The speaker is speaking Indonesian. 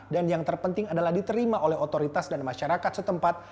dan yang terpenting adalah diterima oleh otoritas dan masyarakat setempat